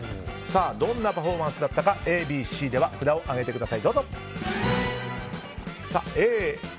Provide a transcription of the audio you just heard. どんなパフォーマンスだったか札を上げてください。